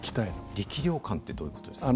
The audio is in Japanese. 力量感ってどういうことですか？